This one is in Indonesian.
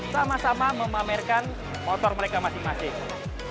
sama sama memamerkan motor mereka masing masing